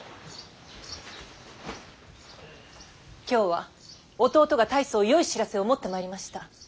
今日は弟が大層よい知らせを持ってまいりました。